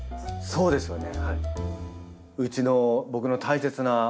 そうですね。